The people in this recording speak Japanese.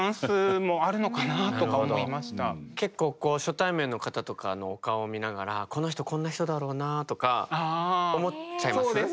結構初対面の方とかのお顔を見ながらこの人こんな人だろうなとか思っちゃいます？